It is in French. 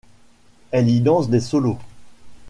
Elle y danse des solos.